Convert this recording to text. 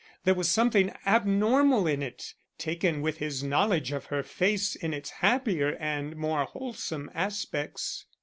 There was something abnormal in it, taken with his knowledge of her face in its happier and more wholesome aspects.